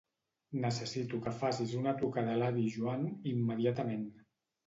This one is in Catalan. Necessito que facis una trucada a l'avi Joan immediatament.